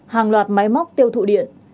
hàng loạt máy móc tiêu thụ điện